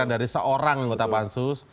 dari seorang yang mengutap ansus